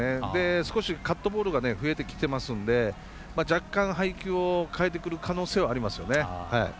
少しカットボールが増えてきていますので若干配球を変えてくる可能性はありますよね。